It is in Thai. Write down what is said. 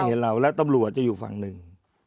เห็นเราแล้วตำรวจจะอยู่ฝั่งหนึ่ง